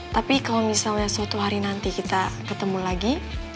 tapi kalau misalnya suatu hari nanti kita ketemu lagi